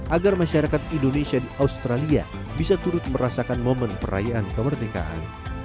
agar masyarakat indonesia di australia bisa turut merasakan momen perayaan kemerdekaan